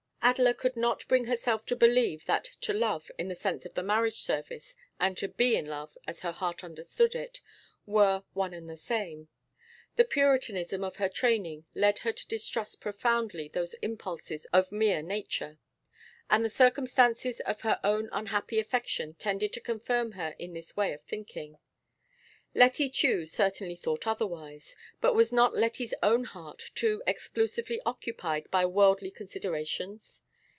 Adela could not bring herself to believe that 'to love' in the sense of the marriage service and to 'be in love' as her heart understood it were one and the same thing. The Puritanism of her training led her to distrust profoundly those impulses of mere nature. And the circumstances of her own unhappy affection tended to confirm her in this way of thinking. Letty Tew certainly thought otherwise, but was not Letty's own heart too exclusively occupied by worldly considerations?